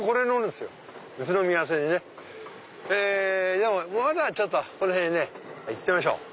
でもまだちょっとこの辺ね行ってみましょう。